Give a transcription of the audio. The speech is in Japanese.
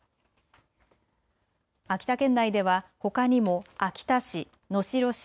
秋田県内ではほかにも秋田市、能代市、